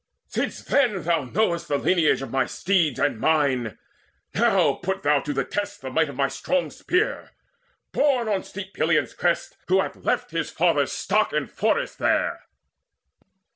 Since then thou know'st the lineage of my steeds And mine, now put thou to the test the might Of my strong spear, born on steep Pelion's crest, Who hath left his father stock and forest there."